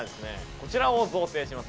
こちらを贈呈します。